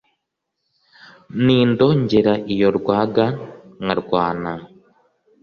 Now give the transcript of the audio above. Ntindo ngera iyo rwaga nkarwana